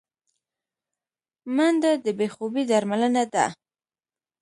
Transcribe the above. منډه د بې خوبي درملنه ده